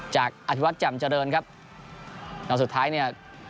จากอธิวัฒน์จำเจริญครับแล้วสุดท้ายเนี่ย